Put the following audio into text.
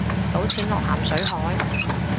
倒錢落咸水海